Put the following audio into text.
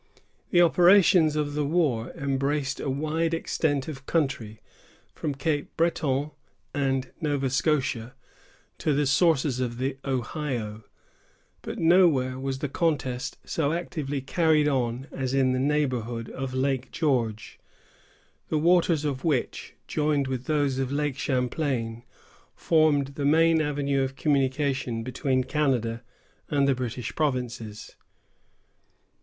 The operations of the war embraced a wide extent of country, from Cape Breton and Nova Scotia to the sources of the Ohio; but nowhere was the contest so actively carried on as in the neighborhood of Lake George, the waters of which, joined with those of Lake Champlain, formed the main avenue of communication between Canada and the British provinces.